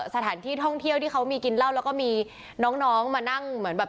สถานที่ท่องเที่ยวที่เขามีกินเหล้าแล้วก็มีน้องมานั่งเหมือนแบบ